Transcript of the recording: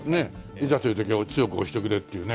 いざという時は強く押してくれっていうね。